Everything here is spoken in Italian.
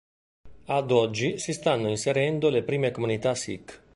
Ad oggi si stanno inserendo le prime comunità Sikh.